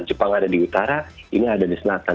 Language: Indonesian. jepang ada di utara ini ada di selatan